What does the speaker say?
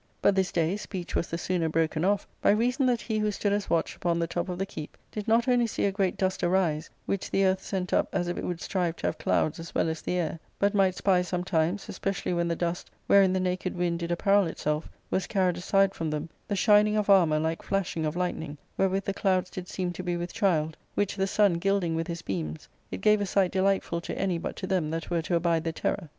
But this day speech was the sooner broken off, by reason that he who stood as watch upon the top of the keep did not only see a great dust arise, which the earth sent up as if it would strive to have clouds as well as the air, but might spy sometimes, especially when the dust, wherein the naked wind did apparel itself, was carried aside from theni, the shining of armour, like flashing of lightning, wherewith the clouds did seem to be with child, which the sun gilding with his beams, it gave a sight delightful to aijy but to them that were to abide the terror.